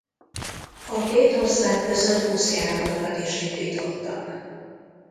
A két ország között buszjáratokat is indítottak.